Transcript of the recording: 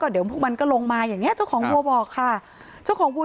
เดี๋ยวพวกมันก็ลงมาอย่างเงี้เจ้าของวัวบอกค่ะเจ้าของวัว